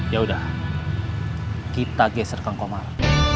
yaudah kita geser kang komar